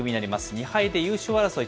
２敗で優勝争い